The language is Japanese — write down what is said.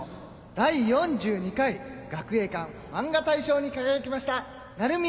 第４２回学英館漫画大賞に輝きました鳴宮